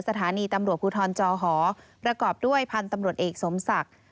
สถานีตำรวจภูทรจอหอประกอบด้วยพันธุ์ตำรวจเอกสมศักดิ์